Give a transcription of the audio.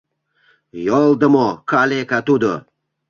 Йолдымо, калека тудо.